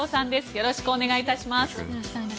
よろしくお願いします。